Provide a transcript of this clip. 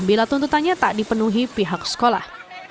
bila tuntutannya tak dipenuhi pihak sekolah